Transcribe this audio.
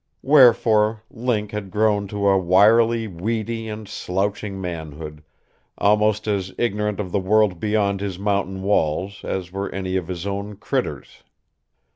Wherefore, Link had grown to a wirily weedy and slouching manhood, almost as ignorant of the world beyond his mountain walls as were any of his own "critters."